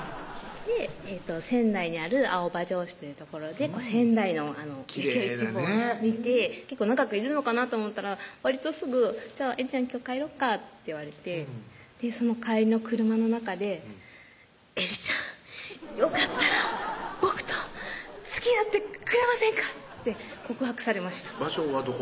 仙台にある青葉城址という所で仙台のきれいなね結構長くいるのかなと思ったらわりとすぐ「じゃあ絵梨ちゃん今日帰ろっか」って言われてその帰りの車の中で「絵梨ちゃんよかったら僕とつきあってくれませんか！」って告白されました場所はどこ？